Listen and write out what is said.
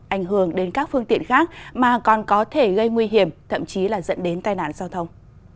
ảnh hưởng đến các phương tiện khác mà còn có thể gây nguy hiểm thậm chí là dẫn đến tai nạn giao thông